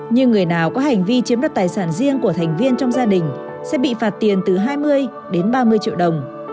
nhưng người nào có hành vi chiếm đoạt tài sản riêng của thành viên trong gia đình sẽ bị phạt tiền từ hai mươi đến ba mươi triệu đồng